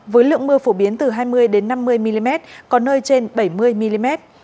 với lượng mưa phổ biến từ hai mươi năm mươi mm có nơi trên bảy mươi mm